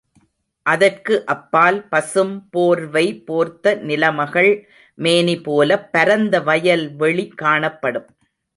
அதற்கு அப்பால் பசும் போர்வை போர்த்த நிலமகள் மேனிபோலப் பரந்த வயல் வெளி காணப்படும்.